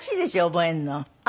覚えるの。